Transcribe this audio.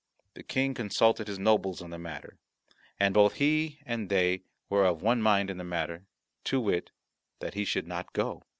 The King consulted his nobles on the matter, and both he and they were of one mind in the matter, to wit, that he should not go.